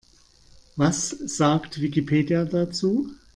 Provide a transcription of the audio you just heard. Was sagt Wikipedia dazu?